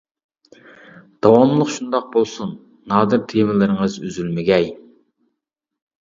داۋاملىق شۇنداق بولسۇن نادىر تېمىلىرىڭىز ئۈزۈلمىگەي!